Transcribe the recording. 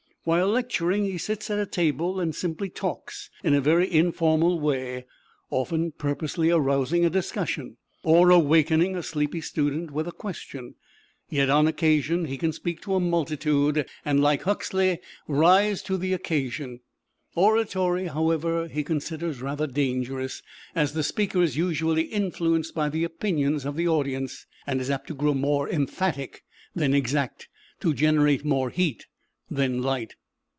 While lecturing he sits at a table and simply talks in a very informal way; often purposely arousing a discussion, or awakening a sleepy student with a question. Yet on occasion he can speak to a multitude, and, like Huxley, rise to the occasion. Oratory, however, he considers rather dangerous, as the speaker is usually influenced by the opinions of the audience, and is apt to grow more emphatic than exact to generate more heat than light.